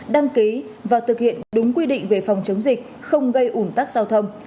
đăng ký và thực hiện đúng quy định về phòng chống dịch không gây ủn tắc giao thông